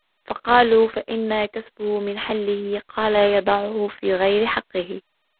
قَالُوا فَإِنْ كَسَبَهُ مِنْ حِلِّهِ ؟ قَالَ يَضَعُهُ فِي غَيْرِ حَقِّهِ